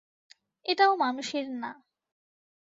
এটাও মানুষের না।